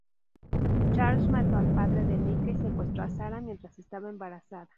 Charles mató al padre de Nica y secuestró a Sarah mientras estaba embarazada.